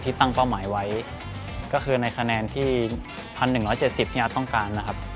ตั้งเป้าหมายไว้ก็คือในคะแนนที่๑๑๗๐ที่อาร์ตต้องการนะครับ